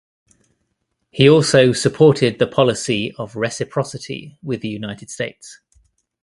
He also supported the policy of reciprocity with the United States.